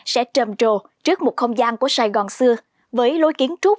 sẽ trầm trồ trước một không gian của sài gòn xưa với lối kiến trúc